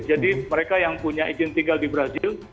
jadi mereka yang punya izin tinggal di brazil